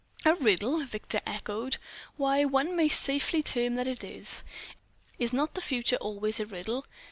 "A riddle?" Victor echoed. "Why, one may safely term it that. Is not the Future always a riddle?